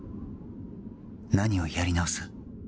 何をやり直す？